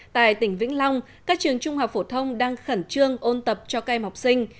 tại tỉnh vĩnh long các trường trung học phổ thông đang khẩn trương ôn tập cho cây mọc sinh